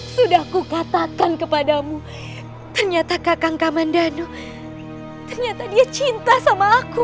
sudah kukatakan kepadamu ternyata kakak kaman danu ternyata dia cinta sama aku